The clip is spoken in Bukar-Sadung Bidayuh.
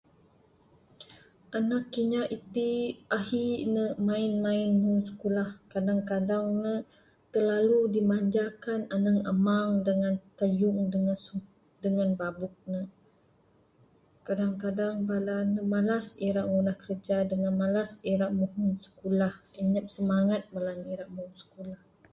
Anak kinya iti ahi ne main main muhun sikulah kadang kadang ne telalu dimanjakan aneng amang dengan teyung dengan babuk ne. Kadang kadang bala ne malas ira ngundah kerja dengan malas ira muhun sikulah inyap semangat bala ne ira muhun sikulah.